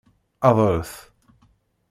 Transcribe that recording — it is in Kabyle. Adret.